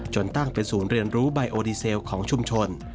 ตั้งเป็นศูนย์เรียนรู้ไบโอดีเซลของชุมชน